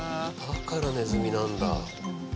だからネズミなんだ。